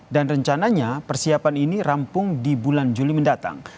dan rencananya persiapan ini rampung di bulan juli mendatang